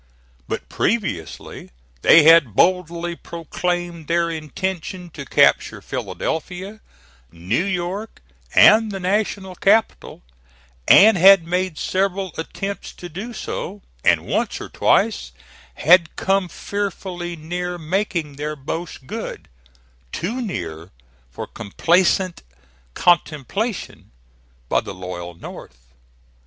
But previously they had boldly proclaimed their intention to capture Philadelphia, New York, and the National Capital, and had made several attempts to do so, and once or twice had come fearfully near making their boast good too near for complacent contemplation by the loyal North.